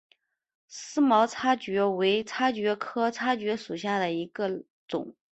思茅叉蕨为叉蕨科叉蕨属下的一个种。